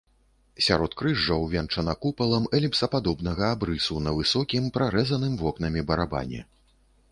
Сяродкрыжжа увенчана купалам эліпсападобнага абрысу на высокім, прарэзаным вокнамі барабане.